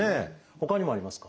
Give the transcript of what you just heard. ほかにもありますか？